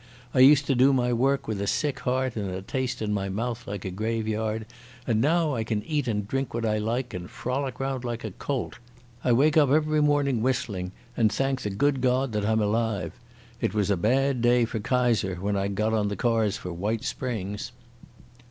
I used to do my work with a sick heart and a taste in my mouth like a graveyard, and now I can eat and drink what I like and frolic round like a colt. I wake up every morning whistling and thank the good God that I'm alive. It was a bad day for Kaiser when I got on the cars for White Springs."